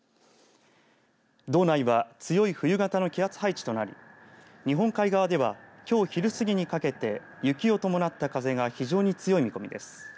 道内は強い冬型の気圧配置となり日本海側ではきょう昼過ぎにかけて雪を伴った風が非常に強い見込みです。